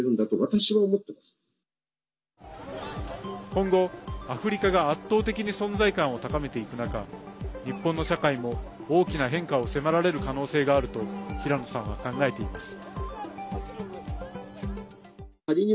今後、アフリカが圧倒的に存在感を高めていく中日本の社会も大きな変化を迫られる可能性があると平野さんは考えています。